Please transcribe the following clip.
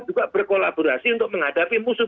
juga berkolaborasi untuk menghadapi musuh